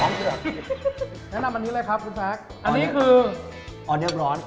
แนะนำอันนี้เลยครับออนเดอร์ฟร้อน